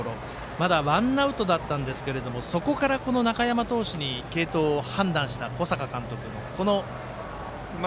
まだ、ワンアウトだったんですがそこから中山投手に継投を判断した小坂監督の采配。